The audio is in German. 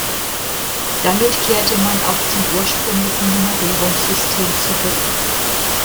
Damit kehrte man auch zum ursprünglichen Nummerierungssystem zurück.